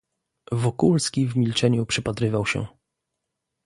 "Wokulski w milczeniu przypatrywał się."